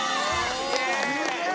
すげえ！